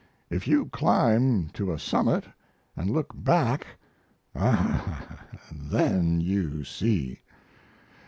If you climb to a summit & look back ah, then you see!